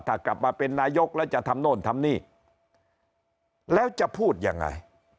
ถ้ากลับมาเป็นนายกแล้วจะทำโน่นทำนี่แล้วจะพูดยังไง